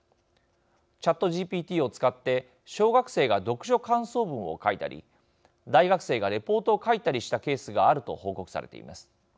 ＣｈａｔＧＰＴを使って小学生が読書感想文を書いたり大学生がレポートを書いたりしたケースがあると報告されています。